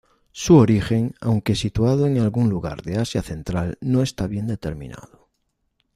Su origen, aunque situado en algún lugar de Asia Central, no está bien determinado.